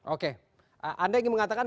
oke anda ingin mengatakan